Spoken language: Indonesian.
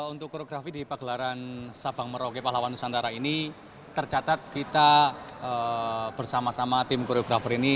untuk koreografi di pagelaran sabang merauke pahlawan nusantara ini tercatat kita bersama sama tim koreografer ini